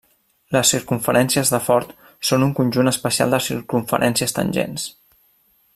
Les circumferències de Ford són un conjunt especial de circumferències tangents.